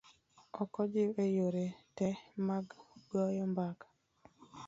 Ok ojiw e yore te mag goyo mbaka.